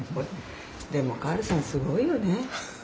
でもカールさんすごいよね。